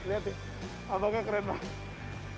lihat nih abangnya keren banget